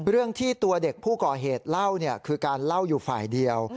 เรื่องที่ตัวเด็กผู้ก่อเหตุเล่าคือการเล่าอยู่ฝ่ายเดียว